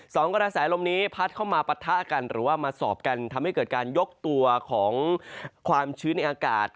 สองกระแสลมนี้พัดเข้ามาปะทะกันหรือว่ามาสอบกันทำให้เกิดการยกตัวของความชื้นในอากาศ